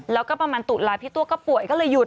แล้วก็ประมาณตุลาพี่ตัวก็ป่วยก็เลยหยุด